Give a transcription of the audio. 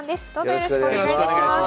よろしくお願いします。